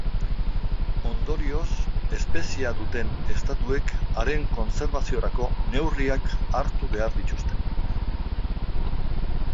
Ondorioz, espeziea duten estatuek haren kontserbaziorako neurriak hartu behar dituzte.